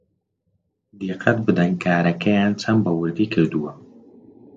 دیقەت بدەن کارەکەیان چەند بەوردی کردووە